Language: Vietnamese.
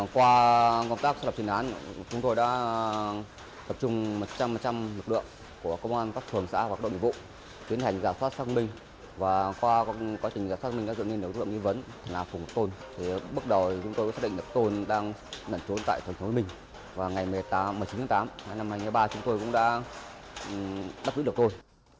qua công tác xác lập chuyên án chúng tôi đã tập trung một trăm linh lực lượng của công an các thường xã hoặc đội mỹ vụ tiến hành giả soát xác minh và qua quá trình giả soát xác minh đã dựa lên lực lượng nghi vấn là phùng ngọc tôn